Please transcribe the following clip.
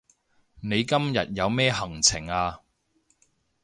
你今日有咩行程啊